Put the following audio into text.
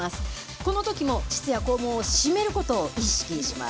このときも、膣や肛門をしめることを意識します。